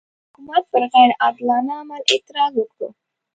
د حکومت پر غیر عادلانه عمل اعتراض وکړو.